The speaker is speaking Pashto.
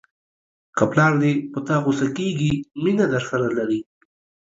که پلار دې په تا غوسه کېږي مینه درسره لري.